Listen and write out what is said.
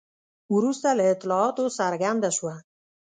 وروسته له اطلاعاتو څرګنده شوه.